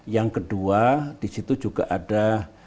yang kedua di situ juga ada